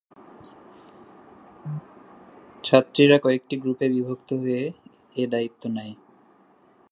ছাত্রীরা কয়েকটি গ্রুপে বিভক্ত হয়ে এ দায়িত্ব নেয়।